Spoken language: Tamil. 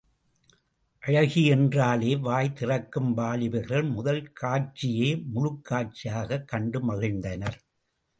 அழகி என்றாலே வாய் திறக்கும் வாலிபர்கள் முதல் காட்சியே முழுக்காட்சியாகக் கண்டு மகிழ்ந்தனர்.